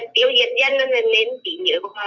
tiêu diệt dân nên tỷ nhựa của họ